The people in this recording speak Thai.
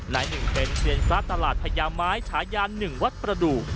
นายหนึ่งเป็นเซียนซะตลาดพญาไม้ฉายาน๑วัดประดูก